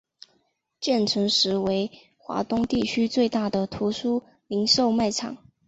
建成时为华东地区最大的图书零售卖场。